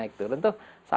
itu salah satu